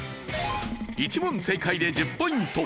１問正解で１０ポイント。